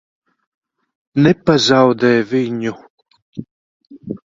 Nepazaudē viņu!